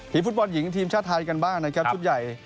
ฟุตบอลหญิงทีมชาติไทยกันบ้างนะครับชุดใหญ่